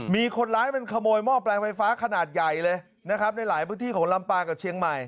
มีคนร้ายมันขโมยหม้อแปลงไฟฟ้าขนาดใหญ่เลยนะครับในหลายพื้นที่ของลำปางกับเชียงใหม่